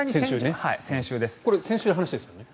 これ、先週の話ですよね。